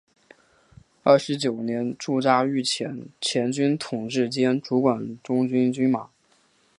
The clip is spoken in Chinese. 二十九年驻扎御前前军统制兼主管中军军马。